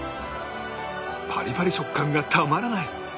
パリパリ食感がたまらない！